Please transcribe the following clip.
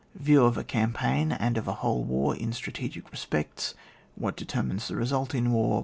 Yiew of a campaign and of a whole war in strategic respects. What determines the result in war.